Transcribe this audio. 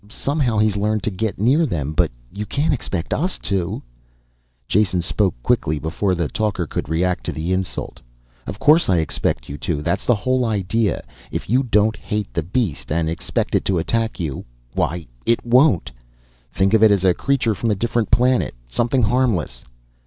Somehow he's learned to get near them. But you can't expect us to." Jason spoke quickly, before the talker could react to the insult. "Of course I expect you to. That's the whole idea. If you don't hate the beast and expect it to attack you why it won't. Think of it as a creature from a different planet, something harmless."